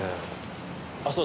あっそうだ。